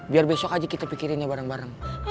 biar besok aja kita pikirin ya bareng bareng